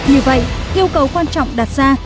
như vậy yêu cầu quan trọng đặt ra